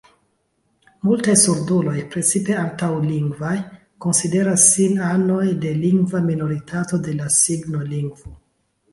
Multaj surduloj, precipe antaŭ-lingvaj, konsideras sin anoj de lingva minoritato de la signolingvo.